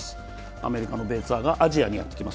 アメリカのツアーがアジアにやってきます。